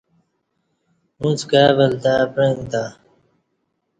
اݩڅ کائ ولتہ پعئیم تہ۔